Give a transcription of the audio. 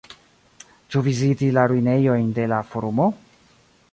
Ĉu viziti la ruinejojn de la Forumo?